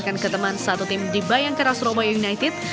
dan menjelaskan ke teman satu tim di bayangkeras surabaya united